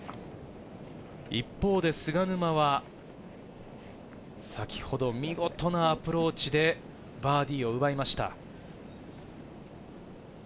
一方で菅沼は先ほど見事なアプローチでバーディーを奪いました。